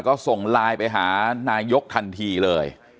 ก็ส่งไลน์ไปหานายกทันทีเลย